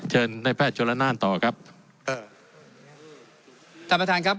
เชิญในแพทย์ชนละนานต่อครับเอ่อท่านประธานครับ